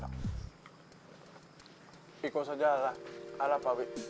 aku saja yang makan